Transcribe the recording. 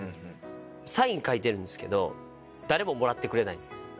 サイン書いてるんですけど誰ももらってくれないんです。